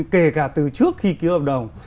kể cả từ trước khi kiếm hợp đồng